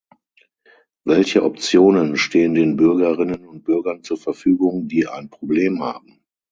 Welche Optionen stehen den Bürgerinnen und Bürgern zur Verfügung, die ein Problem haben?